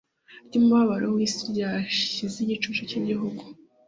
ryumubabaro wisi ryashize igicucu cyigihu